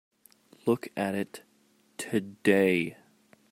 Look at it today.